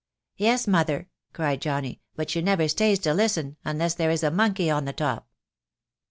"Yes, mother," cried Johnny, "but she never stays to listen unless there is a monkey on the top."